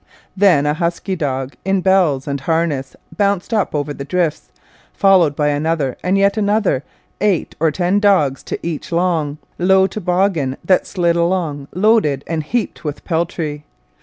Then a husky dog in bells and harness bounced up over the drifts, followed by another and yet another eight or ten dogs to each long, low toboggan that slid along loaded and heaped with peltry.